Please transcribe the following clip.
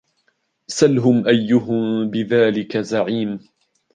سَلْهُمْ أَيُّهُمْ بِذَلِكَ زَعِيمٌ